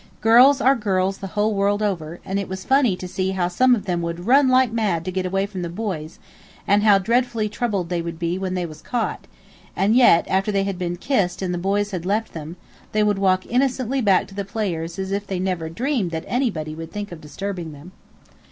Girls are girls the whole world over, and it was funny to see how some of them would run like mad to get away from the boys, and how dreadfully troubled they would be when they was caught, and yet, after they had been kissed and the boys had left them, they would walk innocently back to the players as if they never dreamed that anybody would think of disturbing them.